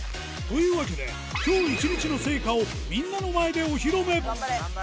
というわけで、きょう１日の成果をみんなの前でお披露目。